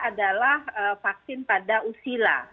memang pr kita adalah vaksin pada anak anak usia enam sebelas tahun